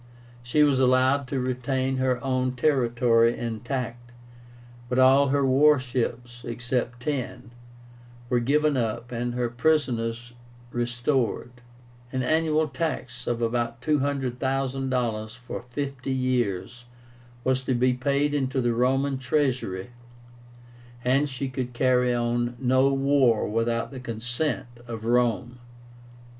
She was allowed to retain her own territory intact, but all her war ships, except ten, were given up, and her prisoners restored; an annual tax of about $200,000, for fifty years, was to be paid into the Roman treasury, and she could carry on no war without the consent of Rome.